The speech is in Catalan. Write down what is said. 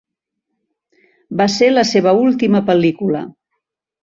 Va ser la seva última pel·lícula.